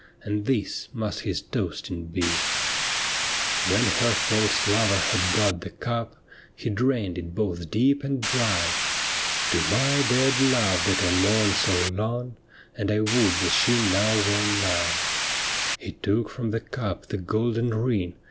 And this must his toasting be.' 122 THE WOMAN WHO WENT TO HELL When her false lover had got the cup, He drained it both deep and dry :' To my dead love that I mourned so long, And I would that she now were nigh !' He took from the cup the golden ring.